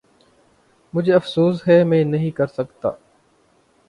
مجھے افسوس ہے میں نہیں کر سکتا۔